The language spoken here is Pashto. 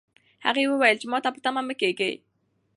هغه وویل چې ماته په تمه مه کېږئ.